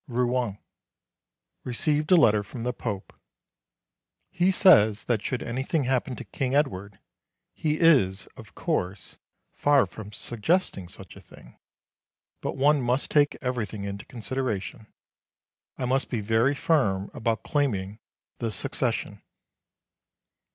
Rouen. Received a letter from the Pope. He says that should anything happen to King Edward he is, of course, far from suggesting such a thing, but one must take everything into consideration I must be very firm about claiming the succession.